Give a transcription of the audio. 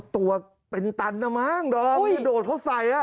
ตัวเป็นตันน่ะมั้งโดดเขาใส่